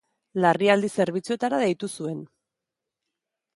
Larrialdi zerbitzuetara deitu zuen.